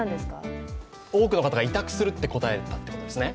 多くの方が委託すると答えたということですね。